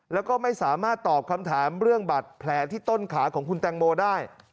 แล้วก็ไม่สามารถตอบคำถามเรื่องบัตรแผลที่ต้นขาของคุณแตงโมได้